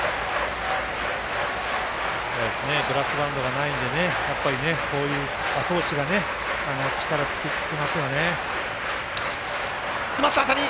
ブラスバンドがないのでこういう、あと押しが力つきますよね。